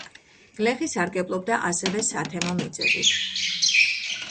გლეხი სარგებლობდა ასევე სათემო მიწებით.